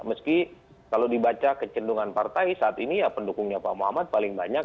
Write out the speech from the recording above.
meski kalau dibaca kecendungan partai saat ini ya pendukungnya pak muhammad paling banyak